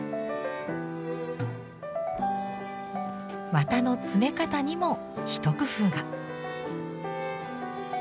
綿の詰め方にも一工夫が。